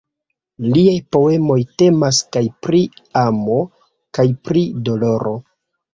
Liaj poemoj temas kaj pri amo kaj pri doloro.